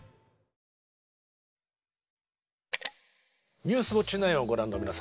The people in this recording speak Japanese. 「ニュースウオッチ９」をご覧の皆様